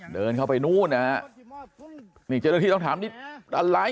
เดินเข้าไปนู่นนะฮะนี่เจ้าหน้าที่ต้องถามนี่อะไร